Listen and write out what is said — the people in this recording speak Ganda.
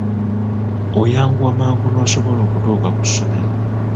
Oyanguwa mangu n'osobola okutuuka ku ssomero.